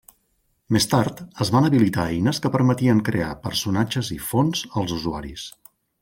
Més tard, es van habilitar eines que permetien crear personatges i fons als usuaris.